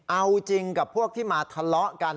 เอาจริงกับพวกที่มาทะเลาะกัน